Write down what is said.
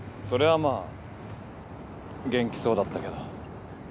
それはまあ元気そうだったけど。